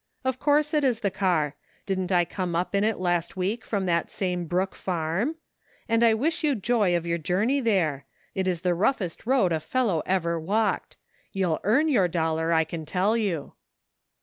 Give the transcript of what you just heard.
"Of course it is the car. Didn't I come up in it last week from that same Brook farm ? And I wish you joy of your journey there ; it is the roughest road a fellow ever walked. You'll earn your dollar, I can tell you."